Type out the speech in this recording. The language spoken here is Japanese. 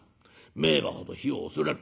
名馬ほど火を恐れる。